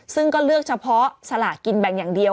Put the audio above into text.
ซึ่งก็เลือกเฉพาะสลากินแบ่งอย่างเดียว